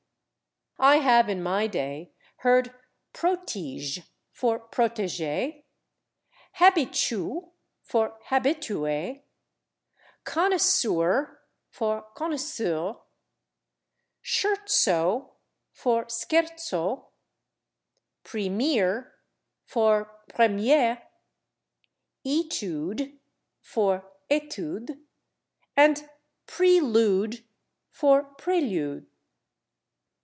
I have, in my day, heard /proteege/ for /protégé/, /habichoo/ for /habitué/, /connisoor/ for /connisseur/, /shirtso/ for /scherzo/, /premeer/ for /première/, /eetood/ for /étude/ and /prelood/ for /prelude